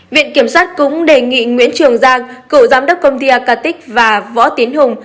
viện kiểm soát cũng đề nghị nguyễn trường giang cựu giám đốc công ty arkatic và võ tiến hùng